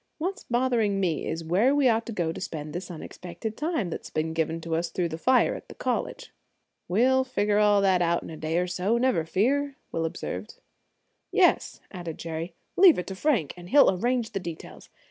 What's bothering me is where we ought to go to spend this unexpected time that's been given to us through the fire at the college." "We'll figure all that out in a day or so, never fear," Will observed. "Yes," added Jerry, "leave it to Frank, and he'll arrange the details.